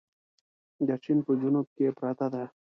د چين په جنوب کې پرته ده.